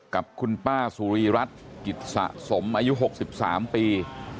กับคุณป้าสุรีรัฐกิจสะสมอายุ๖๓ปี